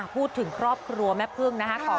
พูดถึงครอบครัวแม่เพิ่งนะครับ